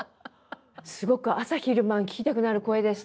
すごく朝昼晩聞きたくなる声でした。